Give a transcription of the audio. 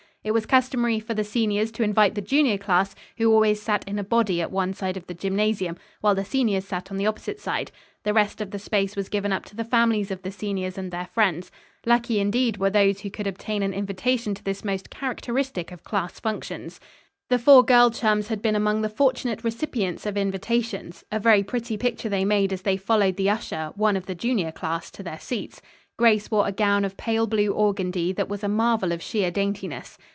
It was customary for the seniors to invite the junior class, who always sat in a body at one side of the gymnasium; while the seniors sat on the opposite side. The rest of the space was given up to the families of the seniors and their friends. Lucky, indeed, were those who could obtain an invitation to this most characteristic of class functions. The four girl chums had been among the fortunate recipients of invitations. A very pretty picture they made as they followed the usher, one of the junior class, to their seats. Grace wore a gown of pale blue organdie that was a marvel of sheer daintiness.